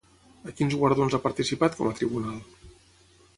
A quins guardons ha participat com a tribunal?